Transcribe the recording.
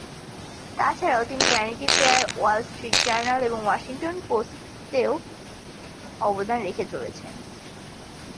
তা ছাড়াও তিনি Vanity Fair, Wall Street Journal, এবং "ওয়াশিংটন পোস্ট" তে ও অবদান রেখে চলেছেন।